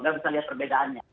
nggak bisa lihat perbedaannya